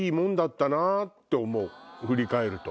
振り返ると。